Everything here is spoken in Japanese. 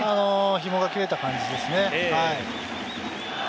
ひもが切れた感じですね。